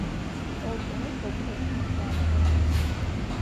ტოლკინის „ბეჭდების მბრძანებელს“.